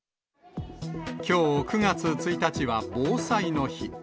きょう９月１日は防災の日。